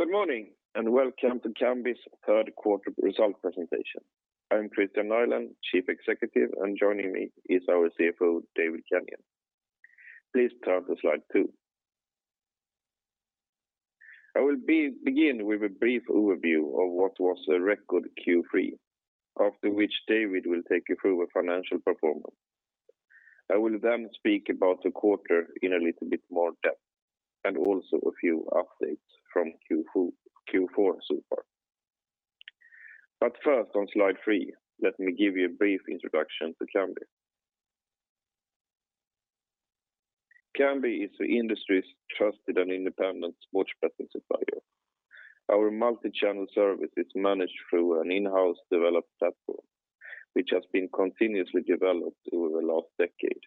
Good morning, welcome to Kambi's third quarter result presentation. I'm Kristian Nylén, Chief Executive, and joining me is our CFO, David Kenyon. Please turn to slide two. I will begin with a brief overview of what was a record Q3, after which David will take you through a financial performance. I will speak about the quarter in a little bit more depth, and also a few updates from Q4 so far. First, on slide three, let me give you a brief introduction to Kambi. Kambi is the industry's trusted and independent sports betting supplier. Our multi-channel service is managed through an in-house-developed platform, which has been continuously developed over the last decade.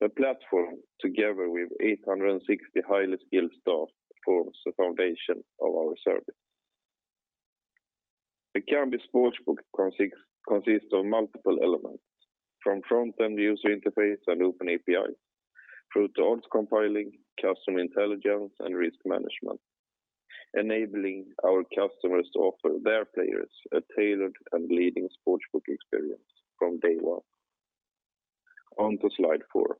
The platform, together with 860 highly skilled staff, forms the foundation of our service. The Kambi Sportsbook consists of multiple elements. From front-end user interface and open API, through to odds compiling, customer intelligence, and risk management, enabling our customers to offer their players a tailored and leading sportsbook experience from day one. On to Slide four.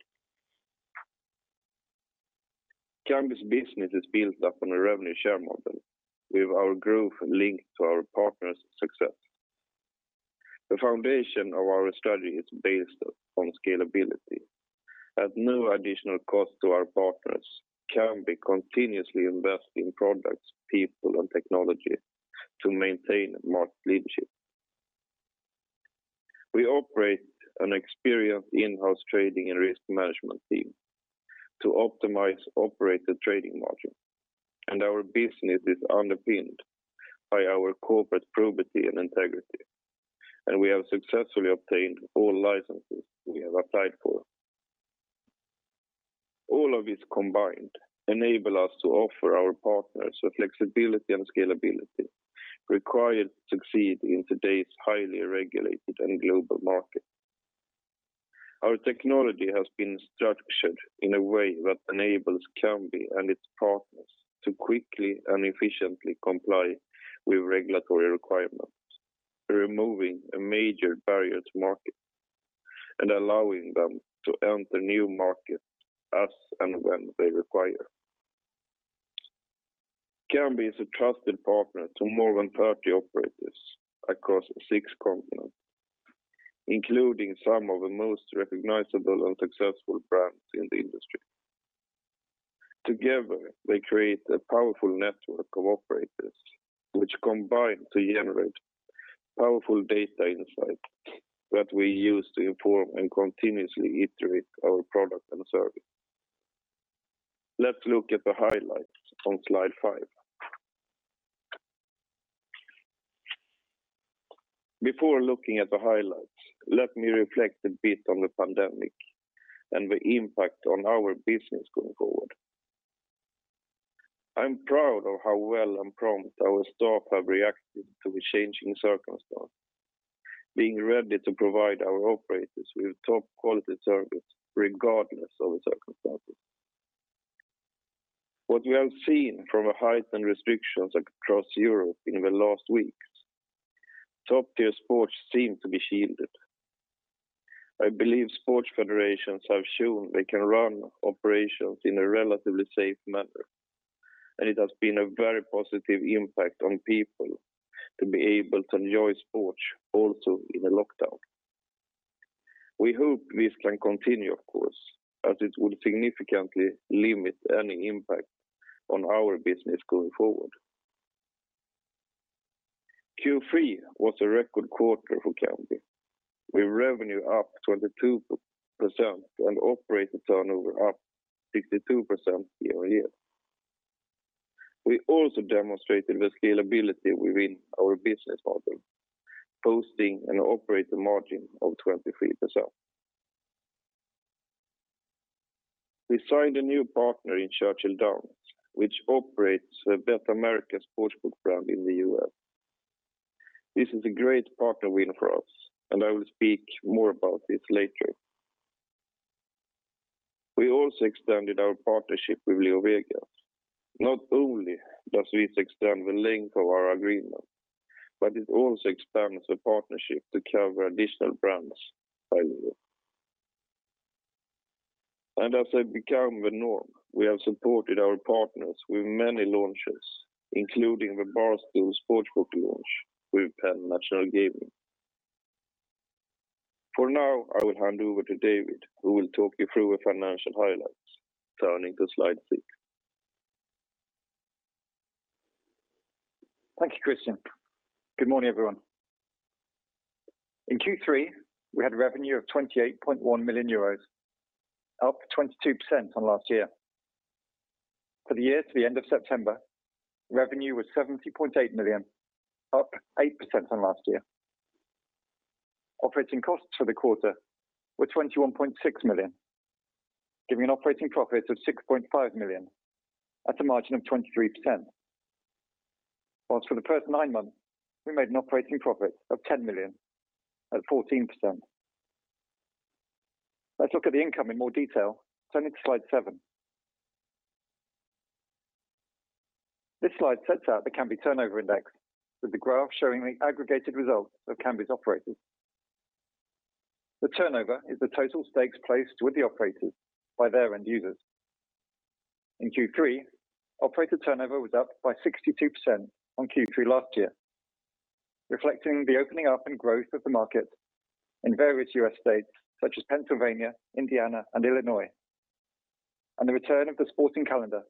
Kambi's business is built upon a revenue share model, with our growth linked to our partners' success. The foundation of our strategy is based on scalability. At no additional cost to our partners, Kambi continuously invest in products, people, and technology to maintain market leadership. We operate an experienced in-house trading and risk management team to optimize operator trading margin, and our business is underpinned by our corporate probity and integrity, and we have successfully obtained all licenses we have applied for. All of this combined enable us to offer our partners the flexibility and scalability required to succeed in today's highly regulated and global market. Our technology has been structured in a way that enables Kambi and its partners to quickly and efficiently comply with regulatory requirements, removing a major barrier to market, and allowing them to enter new markets as and when they require. Kambi is a trusted partner to more than 30 operators across six continents, including some of the most recognizable and successful brands in the industry. Together, they create a powerful network of operators, which combine to generate powerful data insight that we use to inform and continuously iterate our product and service. Let's look at the highlights on Slide five. Before looking at the highlights, let me reflect a bit on the pandemic and the impact on our business going forward. I'm proud of how well and prompt our staff have reacted to the changing circumstance, being ready to provide our operators with top-quality service regardless of the circumstances. What we have seen from the heightened restrictions across Europe in the last weeks, top-tier sports seem to be shielded. I believe sports federations have shown they can run operations in a relatively safe manner, and it has been a very positive impact on people to be able to enjoy sports also in a lockdown. We hope this can continue, of course, as it will significantly limit any impact on our business going forward. Q3 was a record quarter for Kambi, with revenue up 22% and operator turnover up 62% year-over-year. We also demonstrated the scalability within our business model, posting an operator margin of 23%. We signed a new partner in Churchill Downs, which operates the BetAmerica sportsbook brand in the U.S. This is a great partner win for us, and I will speak more about this later. We also extended our partnership with LeoVegas. Not only does this extend the length of our agreement, it also expands the partnership to cover additional brands by LeoVegas. As has become the norm, we have supported our partners with many launches, including the Barstool Sportsbook launch with Penn National Gaming. For now, I will hand over to David, who will talk you through the financial highlights, turning to slide six. Thank you, Kristian. Good morning, everyone. In Q3, we had revenue of 28.1 million euros, up 22% from last year. For the year to the end of September, revenue was 70.8 million, up 8% from last year. Operating costs for the quarter were 21.6 million, giving an operating profit of 6.5 million at a margin of 23%. Whilst for the first nine months, we made an operating profit of 10 million at 14%. Let's look at the income in more detail, turning to slide seven. This slide sets out the Kambi turnover index with the graph showing the aggregated results of Kambi's operators. The turnover is the total stakes placed with the operators by their end users. In Q3, operator turnover was up by 62% on Q3 last year, reflecting the opening up and growth of the market in various U.S. states such as Pennsylvania, Indiana, and Illinois, and the return of the sporting calendar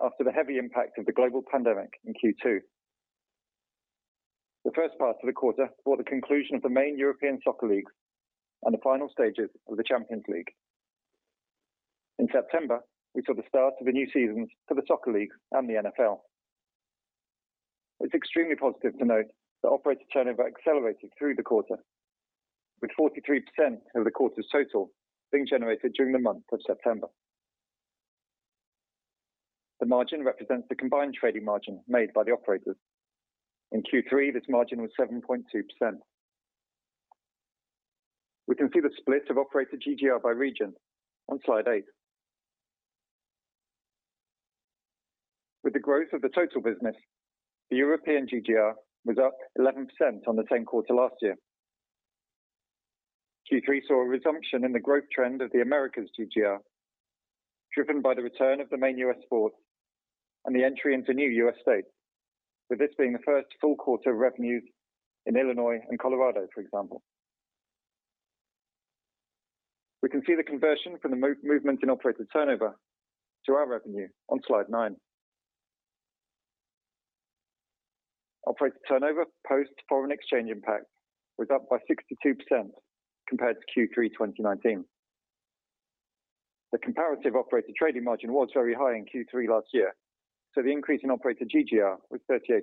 after the heavy impact of the global pandemic in Q2. The first part of the quarter saw the conclusion of the main European soccer leagues and the final stages of the Champions League. In September, we saw the start of the new seasons for the soccer leagues and the NFL. It's extremely positive to note that operator turnover accelerated through the quarter, with 43% of the quarter's total being generated during the month of September. The margin represents the combined trading margin made by the operators. In Q3, this margin was 7.2%. We can see the split of operator GGR by region on slide eight. With the growth of the total business, the European GGR was up 11% on the same quarter last year. Q3 saw a resumption in the growth trend of the Americas GGR, driven by the return of the main U.S. sports and the entry into new U.S. states. With this being the first full quarter of revenues in Illinois and Colorado, for example. We can see the conversion from the movement in operator turnover to our revenue on slide nine. Operator turnover, post-foreign exchange impact, was up by 62% compared to Q3 2019. The comparative operator trading margin was very high in Q3 last year, so the increase in operator GGR was 38%.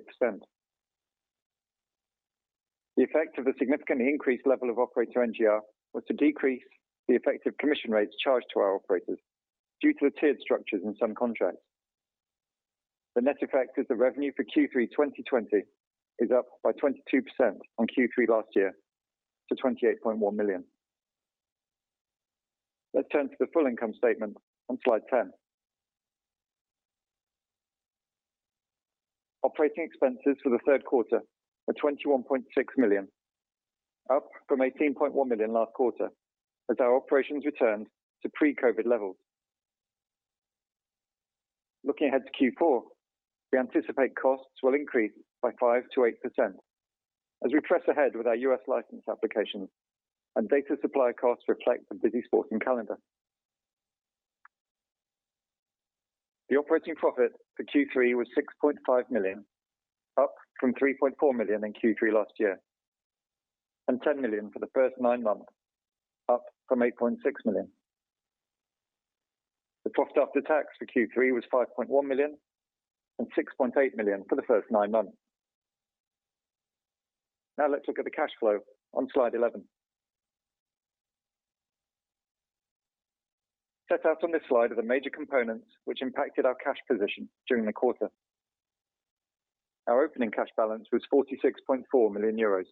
The effect of the significantly increased level of operator NGR was to decrease the effective commission rates charged to our operators due to the tiered structures in some contracts. The net effect is the revenue for Q3 2020 is up by 22% on Q3 last year to 28.1 million. Let's turn to the full income statement on slide 10. Operating expenses for the third quarter are 21.6 million, up from 18.1 million last quarter as our operations returned to pre-COVID levels. Looking ahead to Q4, we anticipate costs will increase by 5%-8% as we press ahead with our U.S. license applications and data supply costs reflect the busy sporting calendar. The operating profit for Q3 was 6.5 million, up from 3.4 million in Q3 last year, and 10 million for the first nine months, up from 8.6 million. The profit after tax for Q3 was 5.1 million and 6.8 million for the first nine months. Let's look at the cash flow on slide 11. Set out on this slide are the major components which impacted our cash position during the quarter. Our opening cash balance was 46.4 million euros.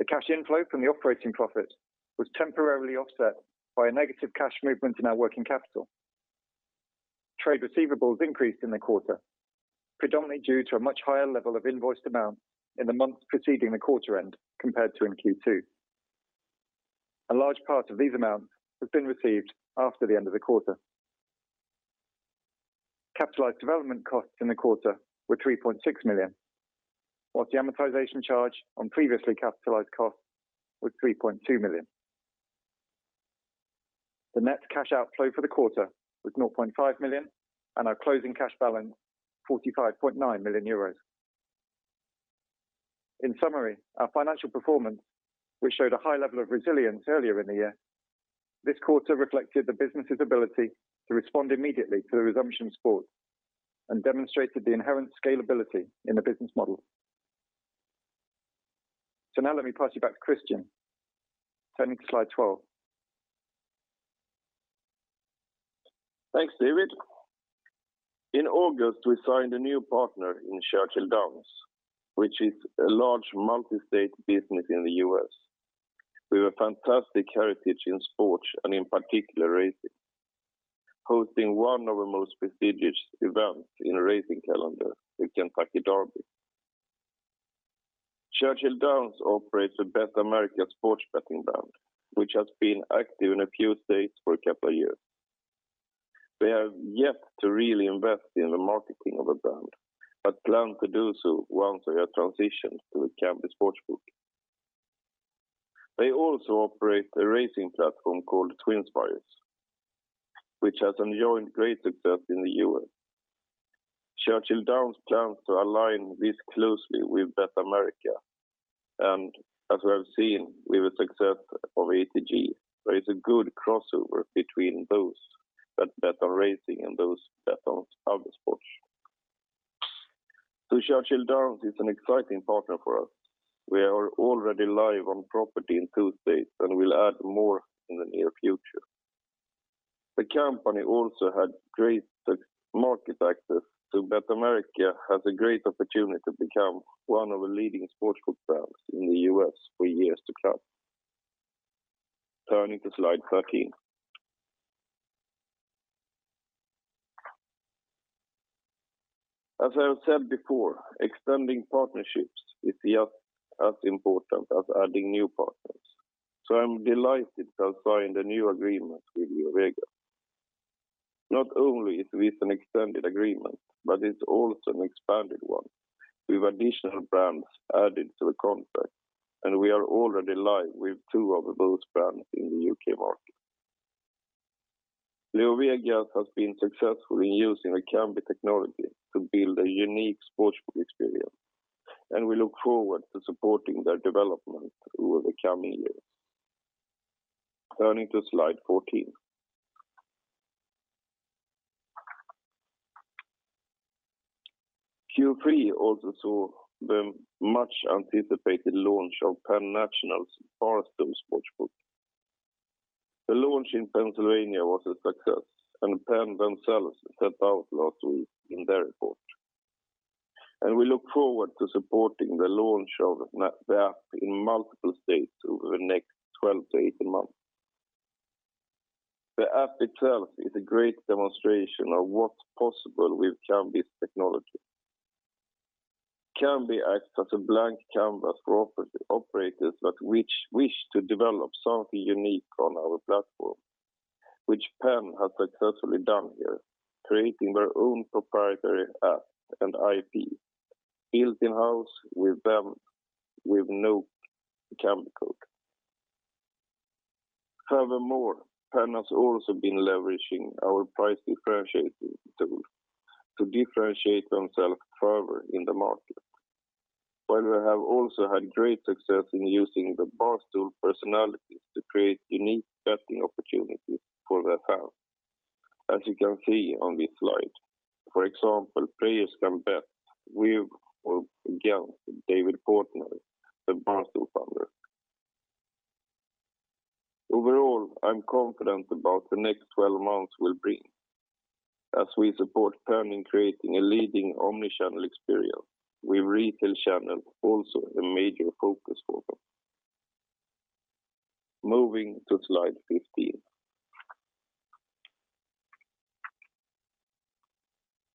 The cash inflow from the operating profit was temporarily offset by a negative cash movement in our working capital. Trade receivables increased in the quarter, predominantly due to a much higher level of invoiced amount in the months preceding the quarter end compared to in Q2. A large part of these amounts have been received after the end of the quarter. Capitalized development costs in the quarter were 3.6 million, whilst the amortization charge on previously capitalized costs was 3.2 million. The net cash outflow for the quarter was 0.5 million, and our closing cash balance, 45.9 million euros. In summary, our financial performance, which showed a high level of resilience earlier in the year, this quarter reflected the business's ability to respond immediately to the resumption of sport and demonstrated the inherent scalability in the business model. Now let me pass you back to Kristian, turning to slide 12. Thanks, David. In August, we signed a new partner in Churchill Downs, which is a large multi-state business in the U.S. with a fantastic heritage in sports, and in particular racing, hosting one of the most prestigious events in the racing calendar, the Kentucky Derby. Churchill Downs operates the BetAmerica sports betting brand, which has been active in a few states for a couple of years. They have yet to really invest in the marketing of the brand, but plan to do so once they have transitioned to the Kambi Sportsbook. They also operate a racing platform called TwinSpires, which has enjoyed great success in the US. Churchill Downs plans to align this closely with BetAmerica, and as we have seen with the success of ATG, there is a good crossover between those that bet on racing and those that bet on other sports. Churchill Downs is an exciting partner for us. We are already live on property in two states and will add more in the near future. The company also had great market access. BetAmerica has a great opportunity to become one of the leading sportsbook brands in the U.S. for years to come. Turning to slide 13. As I have said before, extending partnerships is just as important as adding new partners. I'm delighted to have signed a new agreement with LeoVegas. Not only is this an extended agreement, but it's also an expanded one with additional brands added to the contract, and we are already live with two of those brands in the U.K. market. LeoVegas has been successful in using the Kambi technology to build a unique sportsbook experience, and we look forward to supporting their development over the coming years. Turning to slide 14. Q3 also saw the much anticipated launch of Penn National's Barstool Sportsbook. The launch in Pennsylvania was a success. Penn themselves pointed out last week in their report. We look forward to supporting the launch of the app in multiple states over the next 12-18 months. The app itself is a great demonstration of what's possible with Kambi's technology. Kambi acts as a blank canvas for operators that wish to develop something unique on our platform, which Penn has successfully done here, creating their own proprietary app and IP built in-house with them with no Kambi code. Furthermore, Penn has also been leveraging our price differentiation tool to differentiate themselves further in the market, while we have also had great success in using the Barstool personalities to create unique betting opportunities for their fans. As you can see on this slide, for example, players can bet with or against David Portnoy, the Barstool Founder. Overall, I'm confident about the next 12 months will bring as we support Penn in creating a leading omni-channel experience with retail channel also a major focus for them. Moving to slide 15.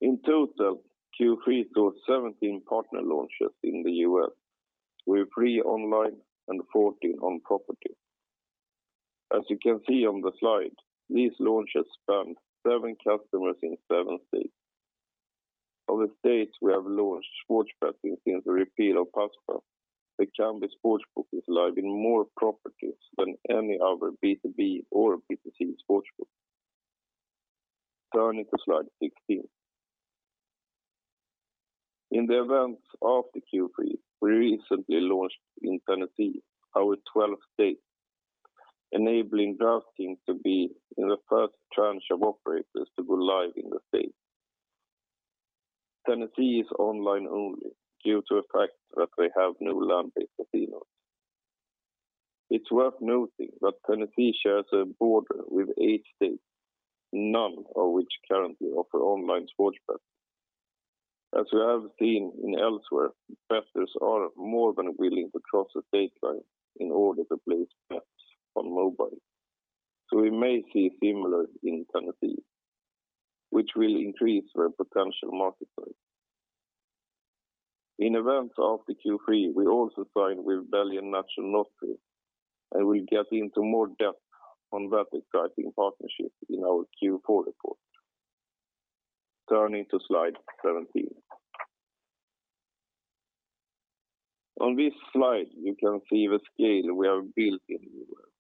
In total, Q3 saw 17 partner launches in the U.S., with three online and 14 on property. As you can see on the slide, these launches spanned seven customers in seven states. Of the states we have launched sports betting since the repeal of PASPA, the Kambi Sportsbook is live in more properties than any other B2B or B2C sportsbook. Turning to slide 16. In the events of the Q3, we recently launched in Tennessee, our 12th state, enabling DraftKings to be in the first tranche of operators to go live in the state. Tennessee is online only due to the fact that they have no land-based casinos. It's worth noting that Tennessee shares a border with eight states, none of which currently offer online sports betting. As we have seen in elsewhere, investors are more than willing to cross the state line in order to place bets on mobile. We may see similar in Tennessee, which will increase their potential market size. In events of the Q3, we also signed with Belgian and National Lottery. I will get into more depth on that exciting partnership in our Q4 report. Turning to slide 17. On this slide, you can see the scale we have built in the U.S.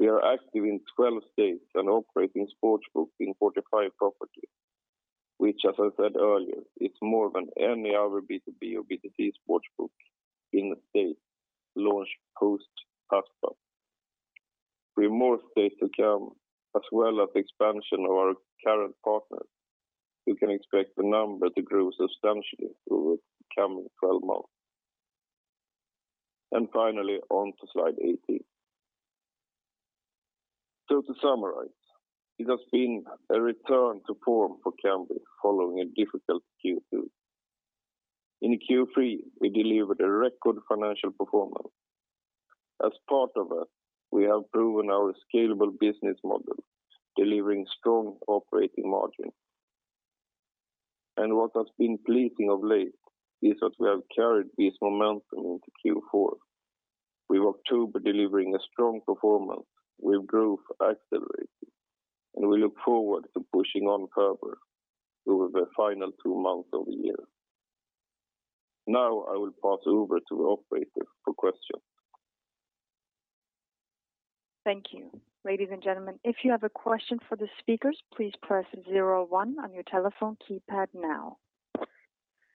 We are active in 12 states and operating sportsbooks in 45 properties, which, as I said earlier, is more than any other B2B or B2C sportsbook in the state launched post-PASPA. With more states to come, as well as expansion of our current partners, you can expect the number to grow substantially over the coming 12 months. Finally, on to slide 18. To summarize, it has been a return to form for Kambi following a difficult Q2. In Q3, we delivered a record financial performance. As part of it, we have proven our scalable business model, delivering strong operating margin. What has been pleasing of late is that we have carried this momentum into Q4, with October delivering a strong performance with growth accelerating, and we look forward to pushing on further over the final two months of the year. Now I will pass over to the operator for questions. Thank you. Ladies and gentlemen, if you have a question for the speakers, please press zero one on your telephone keypad now.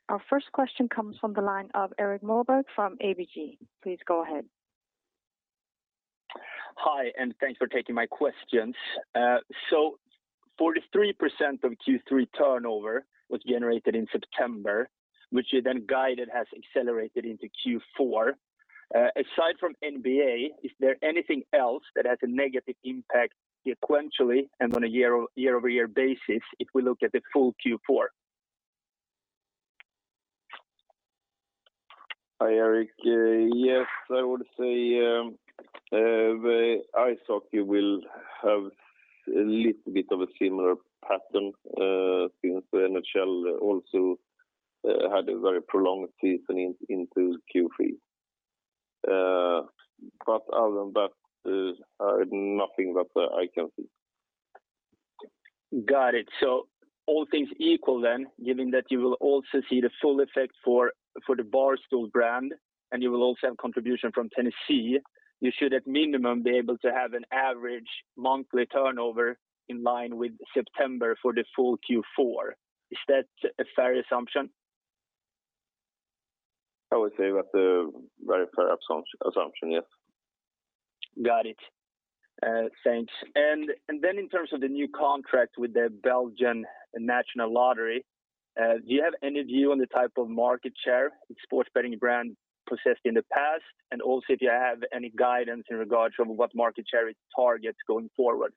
Our first question comes from the line of Erik Moberg from ABG. Please go ahead. Hi, and thanks for taking my questions. 43% of Q3 turnover was generated in September, which you then guided has accelerated into Q4. Aside from NBA, is there anything else that has a negative impact sequentially and on a year-over-year basis if we look at the full Q4? Hi, Erik. Yes, I would say ice hockey will have a little bit of a similar pattern, since the NHL also had a very prolonged season into Q3. Other than that, nothing that I can see. Got it. All things equal, given that you will also see the full effect for the Barstool brand, and you will also have contribution from Tennessee, you should at minimum be able to have an average monthly turnover in line with September for the full Q4. Is that a fair assumption? I would say that's a very fair assumption, yes. Got it. Thanks. In terms of the new contract with the Belgian National Lottery, do you have any view on the type of market share the sports betting brand possessed in the past? If you have any guidance in regards of what market share it targets going forward?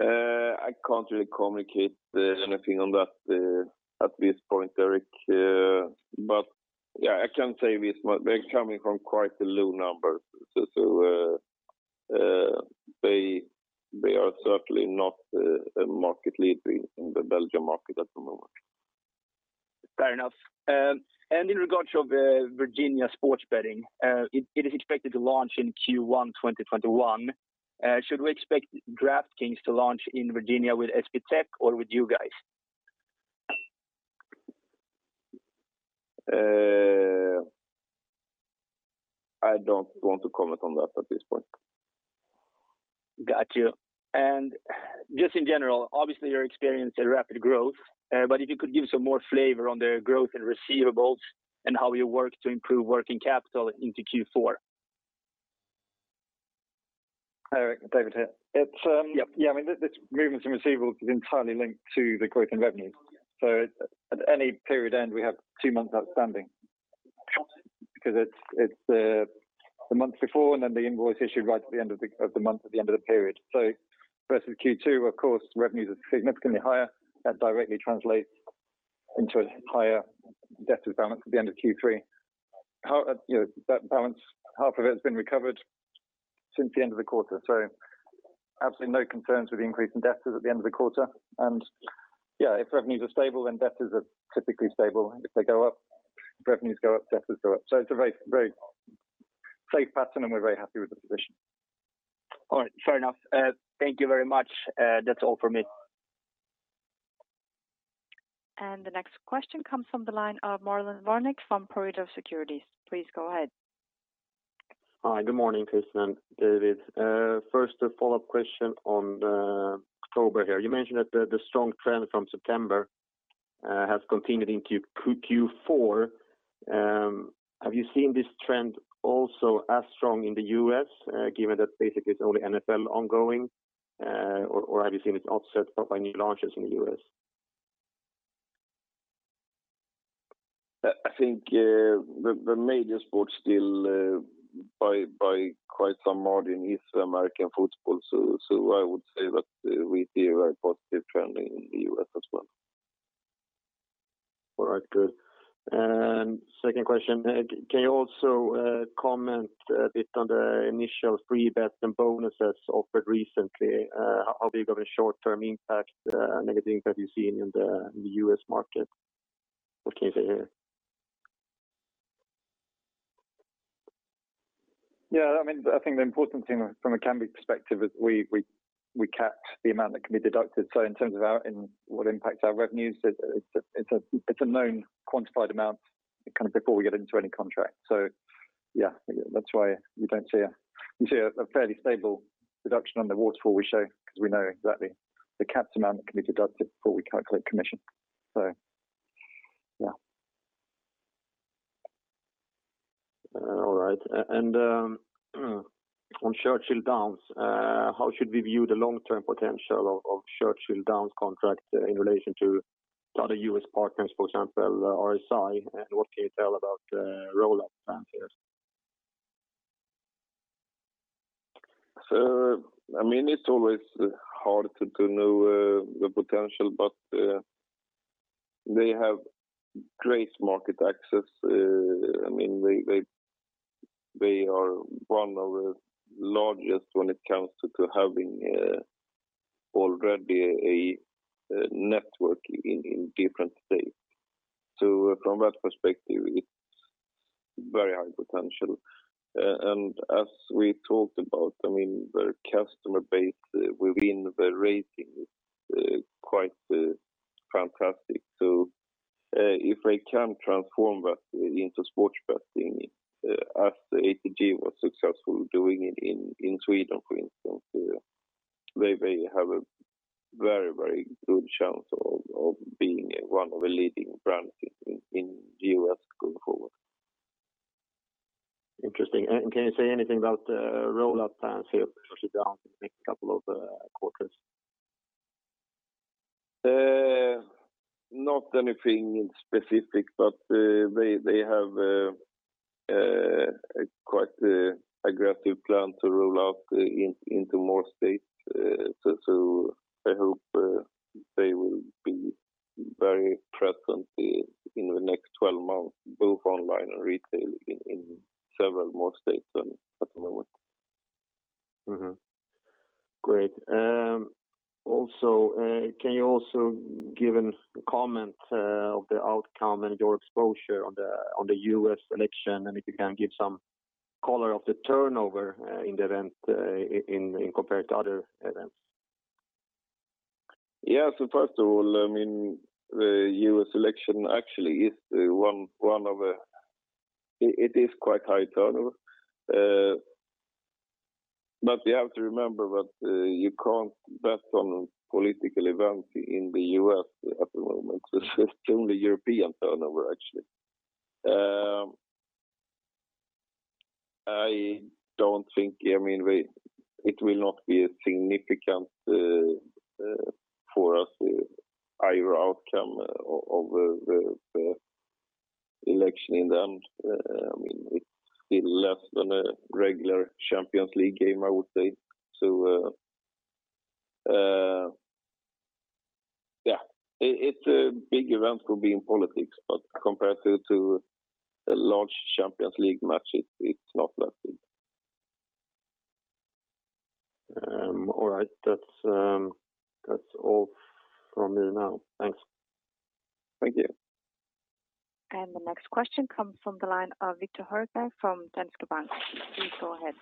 I can't really communicate anything on that at this point, Erik. Yeah, I can say this much. They're coming from quite a low number. They are certainly not a market leader in the Belgium market at the moment. Fair enough. In regards of Virginia sports betting, it is expected to launch in Q1 2021. Should we expect DraftKings to launch in Virginia with SBTech or with you guys? I don't want to comment on that at this point. Got you. Just in general, obviously you're experiencing rapid growth. If you could give some more flavor on the growth in receivables and how you work to improve working capital into Q4. Erik, David here. Yep. This movement in receivables is entirely linked to the growth in revenue. At any period end, we have two months outstanding because it's the month before and then the invoice issued right at the end of the month at the end of the period. Versus Q2, of course, revenues are significantly higher. That directly translates into a higher debtors balance at the end of Q3. That balance, half of it has been recovered since the end of the quarter. Absolutely no concerns with the increase in debtors at the end of the quarter. If revenues are stable, then debtors are typically stable. If they go up, revenues go up, debtors go up. It's a very safe pattern, and we're very happy with the position. All right. Fair enough. Thank you very much. That's all from me. The next question comes from the line of Marlon Värnik from Pareto Securities. Please go ahead. Hi. Good morning, Kristian, David. First, a follow-up question on October here. You mentioned that the strong trend from September has continued into Q4. Have you seen this trend also as strong in the U.S., given that basically it's only NFL ongoing, or have you seen it offset by new launches in the U.S.? I think the major sport still by quite some margin is American football. I would say that we see a very positive trend in the U.S. as well. All right, good. Second question, can you also comment a bit on the initial free bets and bonuses offered recently? How big of a short-term impact, negative impact you've seen in the U.S. market? What can you say here? I think the important thing from a Kambi perspective is we cap the amount that can be deducted. In terms of what impacts our revenues, it's a known quantified amount, kind of before we get into any contract. That's why you see a fairly stable reduction on the waterfall we show because we know exactly the capped amount that can be deducted before we calculate commission. All right. On Churchill Downs, how should we view the long-term potential of Churchill Downs contract in relation to other U.S. partners, for example, RSI, and what can you tell about the rollout plan here? It's always hard to know the potential, but they have great market access. They are one of the largest when it comes to having already a network in different states. From that perspective, it's very high potential. As we talked about, their customer base within the racing is quite fantastic. If they can transform that into sports betting as the ATG was successful doing it in Sweden, for instance, they have a very good chance of being one of the leading brands in the U.S. going forward. Interesting. Can you say anything about the rollout plans here for Churchill Downs in the next couple of quarters? Not anything specific. They have a quite aggressive plan to roll out into more states. I hope they will be very present in the next 12 months, both online and retail in several more states at the moment. Mm-hmm. Great. Can you also give a comment of the outcome and your exposure on the U.S. election, and if you can give some color of the turnover in the event compared to other events? Yeah. First of all, the U.S. election actually is quite high turnover. You have to remember that you can't bet on political events in the U.S. at the moment. It's only European turnover, actually. It will not be significant for us either outcome of the election in the end. It's still less than a regular Champions League game, I would say. Yeah. Big events will be in politics, compared to a large Champions League match, it's not that big. All right. That's all from me now. Thanks. Thank you. The next question comes from the line of Victor Högberg from DNB. Please go ahead.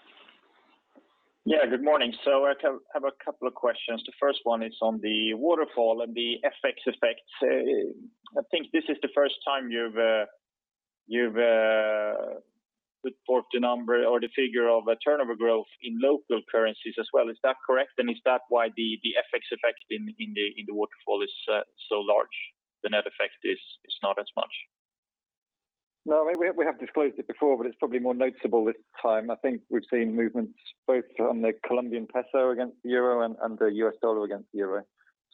Yeah, good morning. I have a couple of questions. The first one is on the waterfall and the FX effects. I think this is the first time you've put forth the number or the figure of a turnover growth in local currencies as well. Is that correct, and is that why the FX effect in the waterfall is so large? The net effect is not as much. No, we have disclosed it before, but it's probably more noticeable this time. I think we've seen movements both from the Colombian peso against the euro and the U.S. dollar against the euro.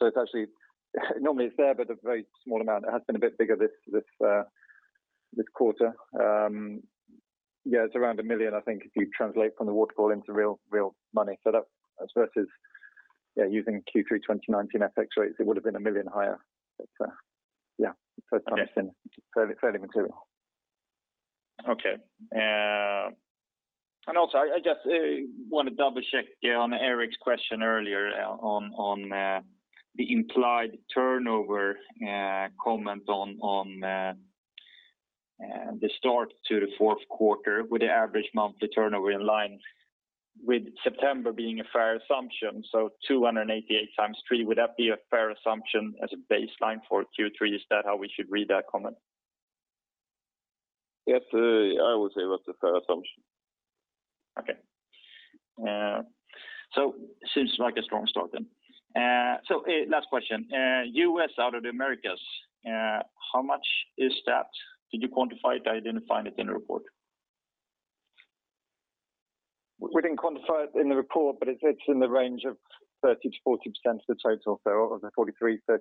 Normally it's there, but a very small amount. It has been a bit bigger this quarter. Yeah, it's around 1 million, I think, if you translate from the waterfall into real money. So versus using Q3 2019 FX rates, it would have been 1 million higher. Yeah, first time I've seen. Clearly material. Okay. Also, I just want to double-check on Erik's question earlier on the implied turnover comment on the start to the fourth quarter with the average monthly turnover in line with September being a fair assumption. 288 times three, would that be a fair assumption as a baseline for Q3? Is that how we should read that comment? Yes, I would say that's a fair assumption. Okay. Seems like a strong start then. Last question. U.S. out of the Americas, how much is that? Did you quantify it? I didn't find it in the report. We didn't quantify it in the report, it's in the range of 30%-40% of the total. Of the 43%, 30%-40%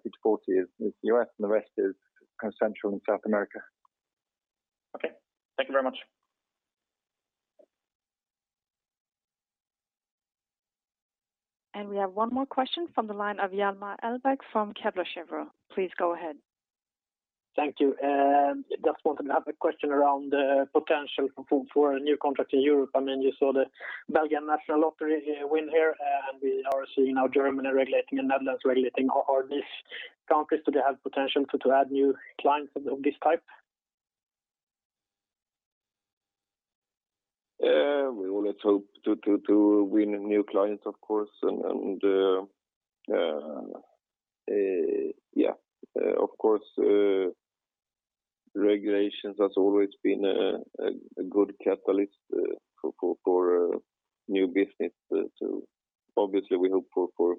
is U.S., the rest is Central and South America. Okay. Thank you very much. We have one more question from the line of Hjalmar Ahlberg from Kepler Cheuvreux. Please go ahead. Thank you. Just wanted to have a question around potential for a new contract in Europe. You saw the Belgian National Lottery win here. We are seeing now Germany regulating and Netherlands regulating. Are these countries, do they have potential to add new clients of this type? We always hope to win new clients, of course. Yeah, of course, regulations has always been a good catalyst for new business. Obviously, we hope for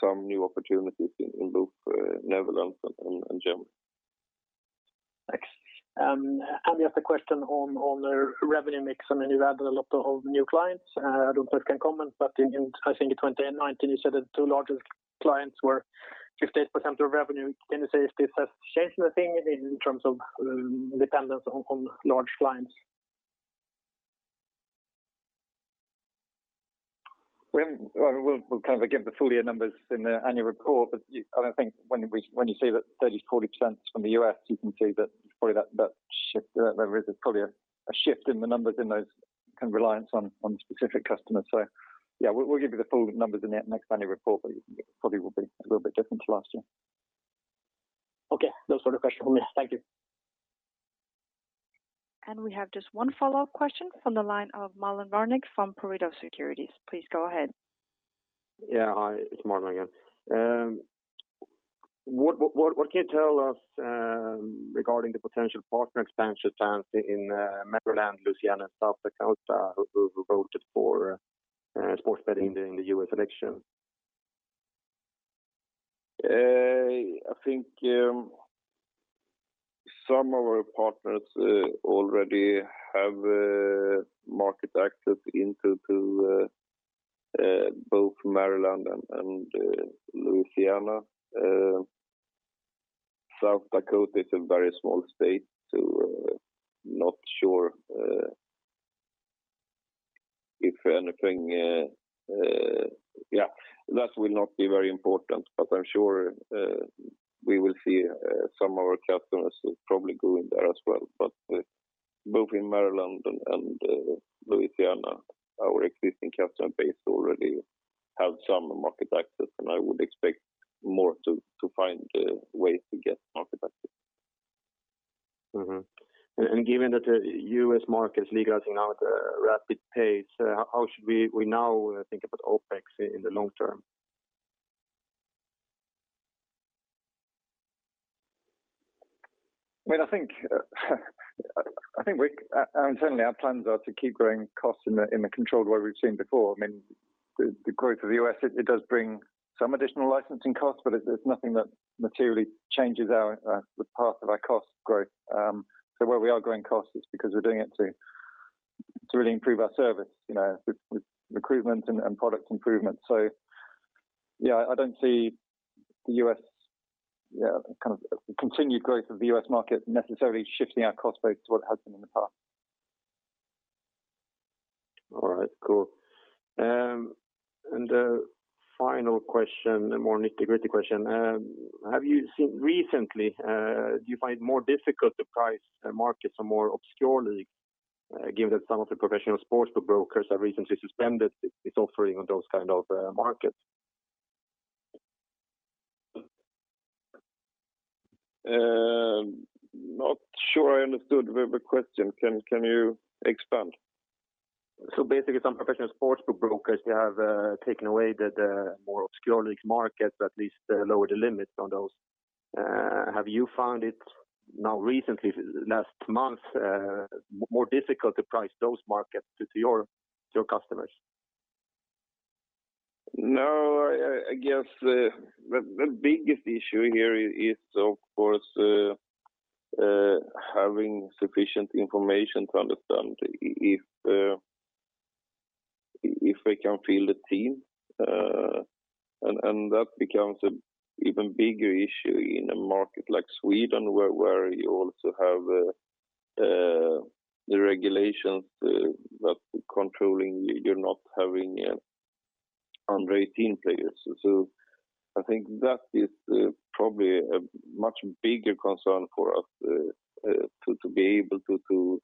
some new opportunities in both Netherlands and Germany. Thanks. The other question on the revenue mix, you've added a lot of new clients. I don't know if you can comment, but I think in 2019, you said that two largest clients were 58% of revenue. Can you say if this has changed anything in terms of dependence on large clients? We'll give the full year numbers in the annual report. I think when you say that 30%-40% is from the U.S., you can see that there's probably a shift in the numbers in those kind of reliance on specific customers. Yeah, we'll give you the full numbers in the next annual report, but it probably will be a little bit different to last year. Okay. Those were the questions from me. Thank you. We have just one follow-up question from the line of Marlon Värnik from Pareto Securities. Please go ahead. Yeah. Hi, it's Marlon again. What can you tell us regarding the potential partner expansion plans in Maryland, Louisiana, South Dakota, who voted for sports betting in the U.S. election? Some of our partners already have market access into both Maryland and Louisiana. South Dakota is a very small state, not sure if anything That will not be very important, but I'm sure we will see some of our customers will probably go in there as well. Both in Maryland and Louisiana, our existing customer base already have some market access, and I would expect more to find ways to get market access. Given that the U.S. market is legalizing at a rapid pace, how should we now think about OpEx in the long term? Certainly our plans are to keep growing costs in the controlled way we've seen before. The growth of the U.S., it does bring some additional licensing costs, but it's nothing that materially changes the path of our cost growth. Where we are growing costs, it's because we're doing it to really improve our service, with recruitment and product improvement. I don't see the continued growth of the U.S. market necessarily shifting our cost base to what it has been in the past. All right. Cool. Final question, a more nitty-gritty question. Have you seen recently, do you find it more difficult to price markets or more obscure leagues, given that some of the professional sportsbook brokers have recently suspended its offering on those kind of markets? Not sure I understood the question. Can you expand? Basically, some professional sportsbook brokers, they have taken away the more obscure leagues markets, at least lowered the limits on those. Have you found it now recently, last month, more difficult to price those markets to your customers? No, I guess the biggest issue here is, of course, having sufficient information to understand if they can field a team. That becomes an even bigger issue in a market like Sweden, where you also have the regulations that are controlling you're not having under 18 players. I think that is probably a much bigger concern for us, to be able to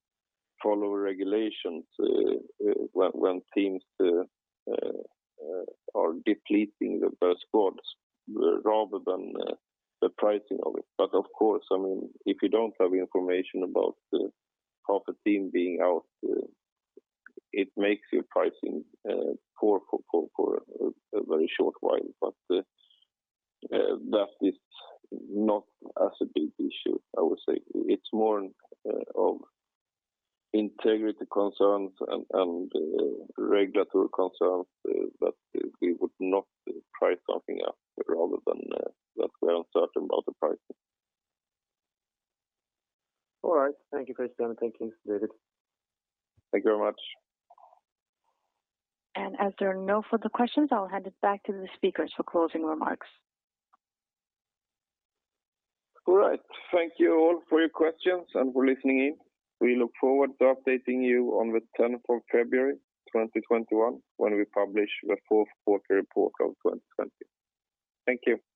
follow regulations when teams are depleting their squads rather than the pricing of it. Of course, if you don't have information about half a team being out, it makes your pricing poor for a very short while. That is not as a big issue, I would say. It's more of integrity concerns and regulatory concerns that we would not price something out rather than that we're uncertain about the pricing. All right. Thank you, Kristian. Thank you, David. Thank you very much. As there are no further questions, I'll hand it back to the speakers for closing remarks. All right. Thank you all for your questions and for listening in. We look forward to updating you on the February 10th, 2021, when we publish the fourth quarter report of 2020. Thank you.